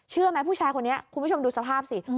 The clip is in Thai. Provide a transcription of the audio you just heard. เชื่อไหมผู้ชายคนนี้คุณผู้ชมดูสภาพสิ